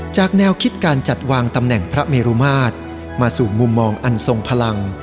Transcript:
แนวคิดการจัดวางตำแหน่งพระเมรุมาตรมาสู่มุมมองอันทรงพลัง